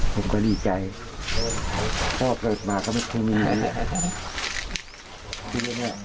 ผมก็ดีใจพ่อเกิดมาก็ไม่เคยมีอะไร